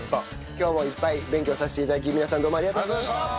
今日もいっぱい勉強させて頂き皆さんどうもありがとうございました。